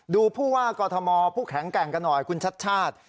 ผู้ว่ากอทมผู้แข็งแกร่งกันหน่อยคุณชัดชาติ